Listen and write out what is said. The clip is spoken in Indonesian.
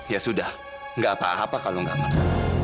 ya sudah gak apa apa kalau gak menang